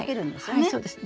はいそうです。